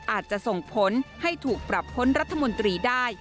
อาจจะส่งผลให้ถูกปรับพ้นรัฐมนตรีได้